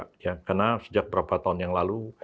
karena sejak berapa tahun yang lalu